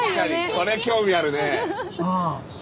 これ興味あるね。